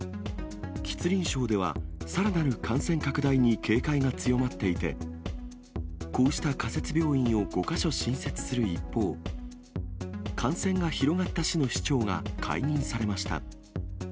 吉林省ではさらなる感染拡大に警戒が強まっていて、こうした仮設病院を５か所新設する一方、感染が広がった市の市長が解任されました。